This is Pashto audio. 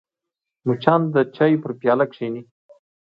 مچان د چای پر پیاله کښېني